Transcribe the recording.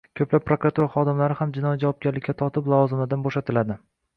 ko‘plab prokuratura xodimlari ham jinoiy javobgarlikka tortilib, lavozimlardan bo‘shatiladi.